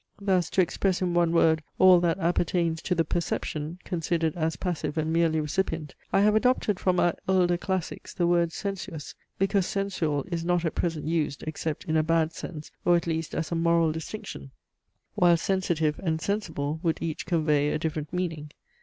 Thus to express in one word all that appertains to the perception, considered as passive and merely recipient, I have adopted from our elder classics the word sensuous; because sensual is not at present used, except in a bad sense, or at least as a moral distinction; while sensitive and sensible would each convey a different meaning.